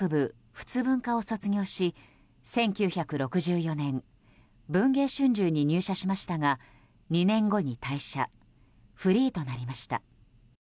仏文科を卒業し１９６４年文藝春秋に入社しましたが２年後に退社フリーとなりました。